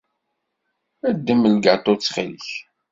Ddem lgaṭu ttxil.